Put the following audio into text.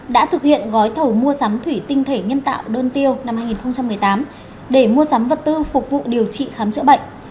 đã thực hiện gói thầu mua sắm thủy tinh thể nhân tạo đơn tiêu năm hai nghìn một mươi tám để mua sắm vật tư phục vụ điều trị khám chữa bệnh